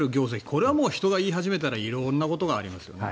これは人が言い始めたら色んなことがありますよね。